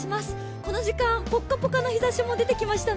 この時間、ぽっかぽかの日ざしも出てきましたね。